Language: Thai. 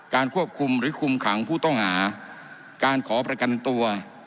ควบคุมหรือคุมขังผู้ต้องหาการขอประกันตัว